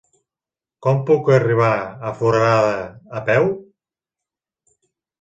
Com puc arribar a Foradada a peu?